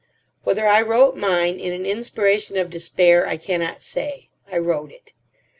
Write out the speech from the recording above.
Whether I wrote mine in an inspiration of despair, I cannot say. I wrote it.